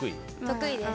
得意です。